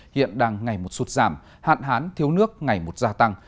hiện đang ngày một sụt giảm hạn hán thiếu nước ngày một gia tăng